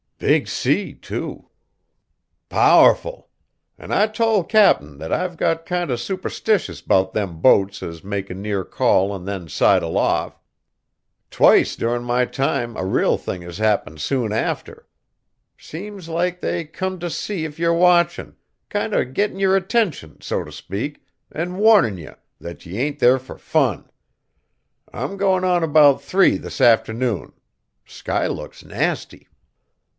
"Big sea, too!" "Powerful! An' I tole Cap'n that I've got kind o' superstitious 'bout them boats as make a near call an' then sidle off. Twict durin' my time a real thing has happened soon after. Seems like they come t' see if yer watchin'; kinder gettin' yer attention, so t' speak, an' warnin' ye that ye ain't there fur fun. I'm goin' on 'bout three this afternoon. Sky looks nasty."